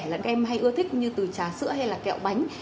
là các em hay ưa thích như từ trà sữa hay là kẹo bánh